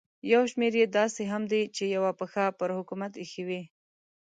یو شمېر یې داسې هم دي چې یوه پښه پر حکومت ایښې وي.